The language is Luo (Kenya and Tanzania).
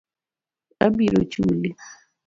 Abiro chuli.